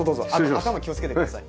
頭気をつけてください。